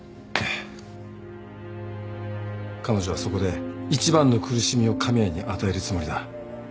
彼女はそこで一番の苦しみを神谷に与えるつもりだ。